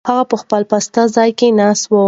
هغه په خپل پاسته ځای کې ناست و.